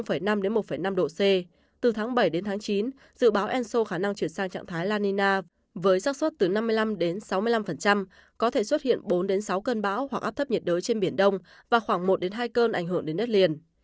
từ tháng bảy c từ tháng bảy đến tháng chín dự báo enso khả năng chuyển sang trạng thái la nina với sắc xuất từ năm mươi năm đến sáu mươi năm có thể xuất hiện bốn sáu cơn bão hoặc áp thấp nhiệt đới trên biển đông và khoảng một hai cơn ảnh hưởng đến đất liền